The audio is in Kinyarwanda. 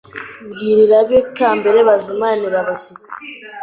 Mbwirira abikambere bazimanirire abashyitsi